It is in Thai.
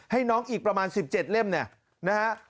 ให้น้องอีกประมาณ๑๗เล่มนะครับ